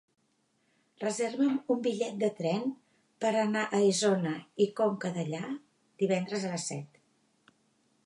Reserva'm un bitllet de tren per anar a Isona i Conca Dellà divendres a les set.